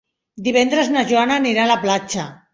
Divendres na Joana anirà a la platja.